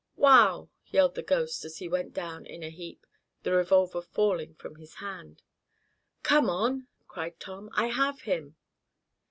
"Wow!" yelled the "ghost," as he went down in a heap, the revolver falling from his hand. "Come on!" cried Tom. "I have him!"